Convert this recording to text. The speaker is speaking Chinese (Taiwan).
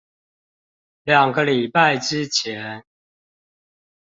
兩個禮拜之前